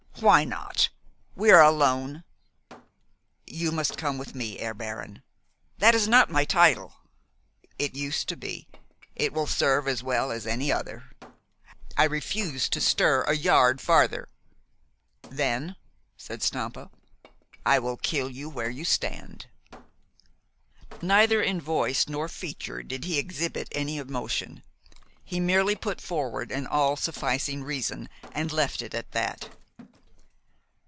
"Why not? We are alone." "You must come with me, Herr Baron." "That is not my title." "It used to be. It will serve as well as any other." "I refuse to stir a yard farther." "Then," said Stampa, "I will kill you where you stand!" Neither in voice nor feature did he exhibit any emotion. He merely put forward an all sufficing reason, and left it at that.